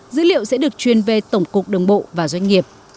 dữ liệu sẽ được truyền về tổng cục đường bộ và doanh nghiệp